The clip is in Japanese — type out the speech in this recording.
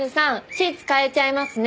シーツ替えちゃいますね。